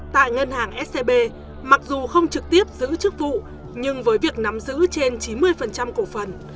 tại ngân hàng scb mặc dù không trực tiếp giữ chức vụ nhưng với việc nắm giữ trên chín mươi cổ phần